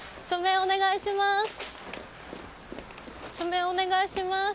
署名お願いします。